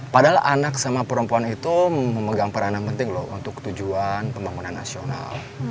padahal anak sama perempuan itu memegang peranan penting loh untuk tujuan pembangunan nasional